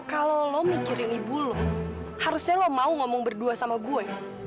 kalau lo mikirin ibu lo harusnya lo mau ngomong berdua sama gue